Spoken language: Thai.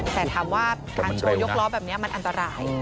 แต่ถามว่าการโชว์ยกล้อแบบนี้มันอันตราย